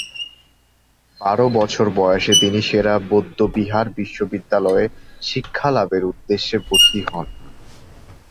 বারো বছর বয়সে তিনি সে-রা বৌদ্ধবিহার বিশ্ববিদ্যালয়ে শিক্ষালাভের উদ্দেশ্যে ভর্তি হন।